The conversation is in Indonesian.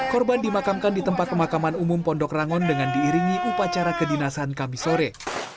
korban dimakamkan di tempat pemakaman umum pondok rangon dengan diiringi upacara kedinasan kami sore